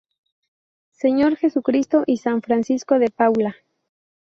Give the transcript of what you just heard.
Sr. Jesucristo y San Francisco de Paula.